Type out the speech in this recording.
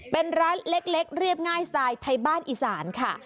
เป็นร้านเล็กเรียบง่ายสไตล์ไทยบ้านอีสานค่ะ